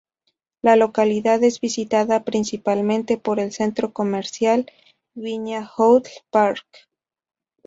La localidad es visitada principalmente por el centro comercial Viña Outlet Park.